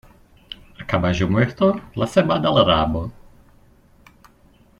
A caballo muerto, la cebada al rabo.